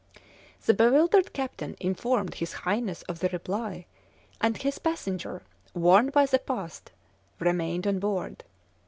The bewildered captain informed his "highness" of the reply, and his passenger, warned by the past, remained on board.